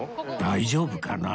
大丈夫かな？